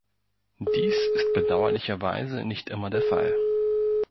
Dies ist bedauerlicherweise nicht immer der Fall.